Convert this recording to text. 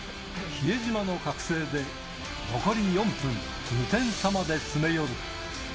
比江島の覚醒で残り４分、２点差まで詰め寄る。